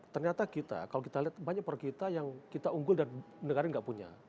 ternyata kita kalau kita lihat banyak per kita yang kita unggul dan negara tidak punya